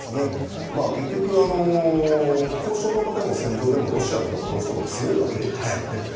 結局、交渉の場でも戦場でもロシアのほうがどうしても強いわけですよね。